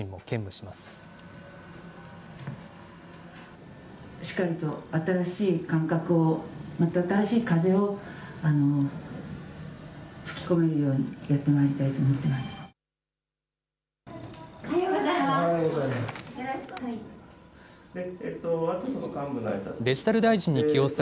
しっかりと、新しい感覚を、また新しい風を吹き込めるようにやってまいりたいと思っています。